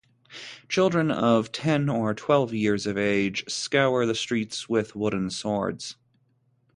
Children of ten or twelve years of age scour the streets with wooden swords.